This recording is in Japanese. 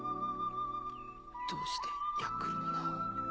どうしてヤックルの名を？